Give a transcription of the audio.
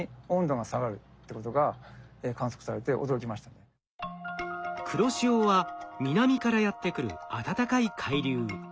これほど黒潮は南からやって来る暖かい海流。